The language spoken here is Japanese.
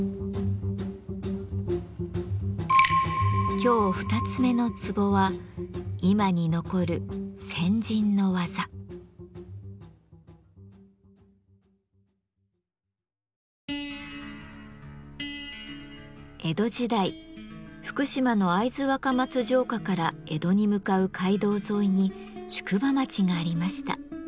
今日二つ目のツボは江戸時代福島の会津若松城下から江戸に向かう街道沿いに宿場町がありました。